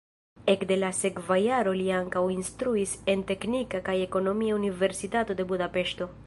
Ekde la sekva jaro li ankaŭ instruis en Teknika kaj Ekonomia Universitato de Budapeŝto.